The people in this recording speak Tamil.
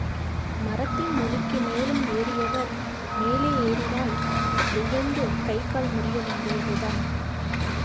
மரத்தின் நுனிக்கு மேலும் ஏறியவர் மேலே ஏறினால் விழுந்து கை கால் முரிய வேண்டியதுதான்.